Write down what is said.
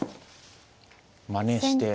まねしてる。